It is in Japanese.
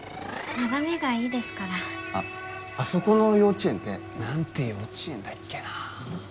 眺めがいいですからあっあそこの幼稚園って何て幼稚園だっけな？